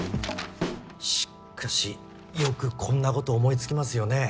しっかしよくこんなことを思いつきますよね。